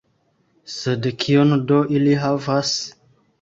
Sed kion do ili havas?